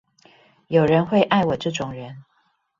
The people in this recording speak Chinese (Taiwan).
有人會愛我這種人